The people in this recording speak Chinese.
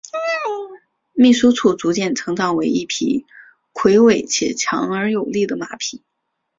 秘书处逐渐成长为一匹魁伟且强而有力的马匹。